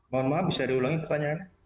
mohon maaf bisa diulangi pertanyaan